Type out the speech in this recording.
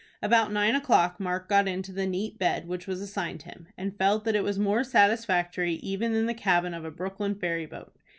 About nine o'clock Mark got into the neat bed which was assigned him, and felt that it was more satisfactory even than the cabin of a Brooklyn ferry boat.